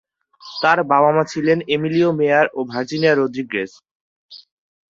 তার বাবা-মা ছিলেন এমিলিও মেয়ার ও ভার্জিনিয়া রদ্রিগেজ।